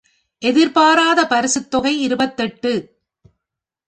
எதிர்பாராத பரிசுத்தொகை இருபத்தெட்டு.